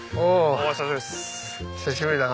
久しぶりだな。